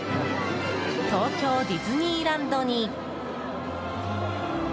東京ディズニーランドに。